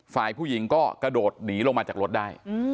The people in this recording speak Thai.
ฝ่ายผู้หญิงก็กระโดดหนีลงมาจากรถได้